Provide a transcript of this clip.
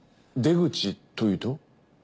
出口というと？